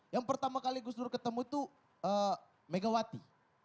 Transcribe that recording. yang pertama kali gus dur ketemu itu megawati